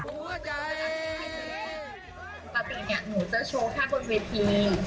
ปกติหนูจะโชว์ภาพบนเวที